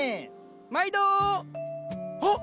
毎度！あっ！